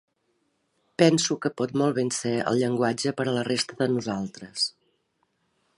Penso que pot molt ben ser el llenguatge per a la resta de nosaltres.